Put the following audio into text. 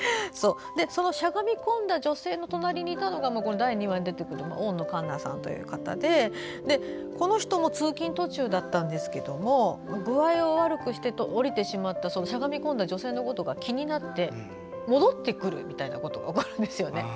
そのしゃがみ込んだ女性の隣にいたのが第２話に出てくる大野柑奈さんという方でこの人も通勤途中だったんですけど具合を悪くして降りてしまったしゃがみ込んだ女性のことが気になって戻ってくるみたいなことが起こるんですよね。